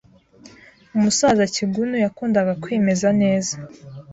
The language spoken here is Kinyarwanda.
Umusaza Kigunu yakundaga kwimeza neza